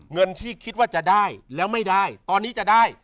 เงินที่คิดว่าจะได้แล้วไม่ได้ตอนนี้จะได้